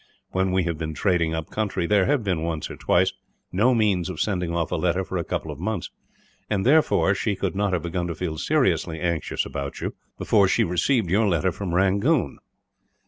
When we have been trading up country, there have been, once or twice, no means of sending off a letter for a couple of months and, therefore, she could not have begun to feel seriously anxious about you before she received your letter from Rangoon.